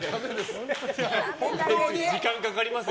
時間かかりますよ。